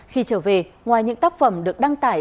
khi trở về ngoài những tác phẩm được đăng tải